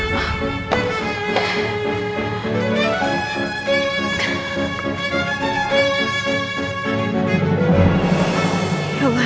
walaupun tanpa masalah